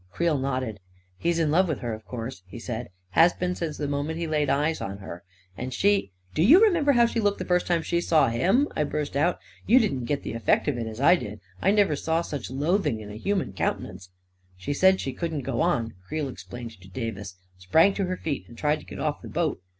Creel nodded. 41 He's in love with her, of course," he said; " has been since the moment he laid eyes on her; and she ..." 41 Do you remember how she looked the first time she saw him ?" I burst out. 4< You didn't get the effect of it as I did •—• I never saw such loathing in a human countenance !" 44 She said she couldn't go on," Creel explained to Davis ; 44 sprang to her feet and tried to get off the boat.